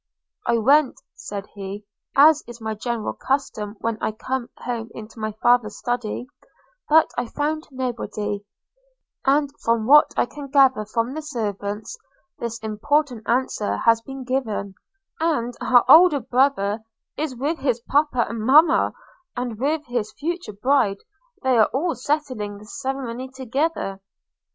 – 'I went,' said he, 'as is my general custom when I come home, into my father's study, but I found nobody; and, from what I can gather from the servants, this important answer has been given, and our old brother is with his papa and mamma, and with his future bride; they are all settling the ceremony together.'